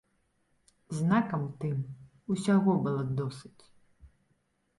Знакам тым, усяго было досыць.